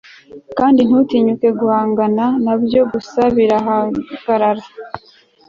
Kandi ntutinyuke guhangana nabyo gusa birahagarara